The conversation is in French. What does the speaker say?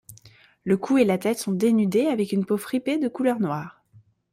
Le cou et la tête sont dénudés avec une peau fripée de couleur noire.